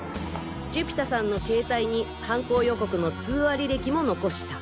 寿飛太さんの携帯に犯行予告の通話履歴も残した。